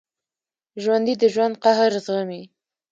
ژوندي د ژوند قهر زغمي